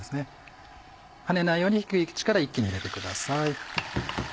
跳ねないように低い位置から一気に入れてください。